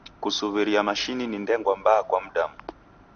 Kusuw'iria mashini ni ndengwa mbaha kwa mdamu.